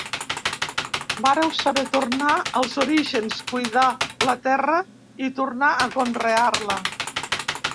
Vàreu saber tornar als orígens, cuidar la terra i tornar a conrear-la.